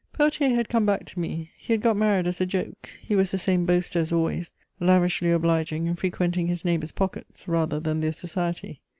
Peltier had come back to me: he had got married as a joke; he was the same boaster as always, lavishly obliging, and frequenting his neighbours' pockets rather than their society.